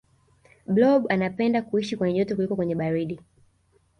blob anapenda kuishi kwenye joto kuliko kwenye baridi